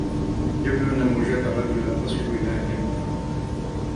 يبدو أن موجات الراديو لا تصل إل هذه الغرفة.